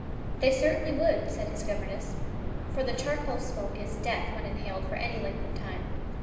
"They certainly would," said his governess; "for the charcoal smoke is death when inhaled for any length of time.